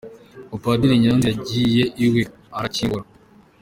Ngo Padiri Ignace yagiye iwe, arakingura.